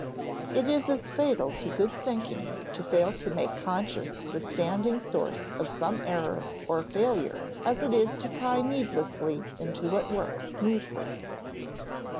It is as fatal to good thinking to fail to make conscious the standing source of some error or failure as it is to pry needlessly into what works smoothly.